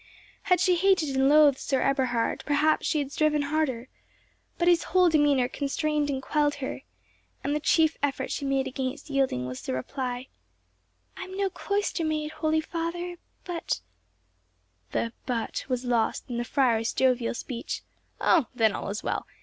Had she hated and loathed Sir Eberhard, perhaps she had striven harder, but his whole demeanour constrained and quelled her, and the chief effort she made against yielding was the reply, "I am no cloister maid, holy father, but—" The "but" was lost in the friar's jovial speech. "Oh, then, all is well!